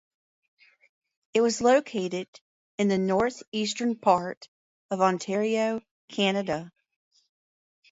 It was located in the northeastern part of Ontario, Canada.